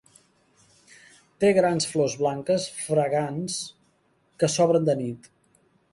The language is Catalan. Té grans flors blanques fragants que s'obren de nit.